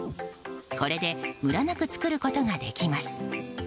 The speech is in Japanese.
これで、ムラなく作ることができます。